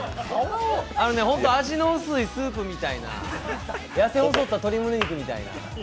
味の薄いスープみたいな、やせ細った鶏肉みたいな。